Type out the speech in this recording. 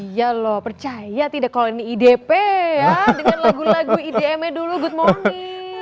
iya loh percaya tidak kalau ini idp ya dengan lagu lagu idma dulu good morning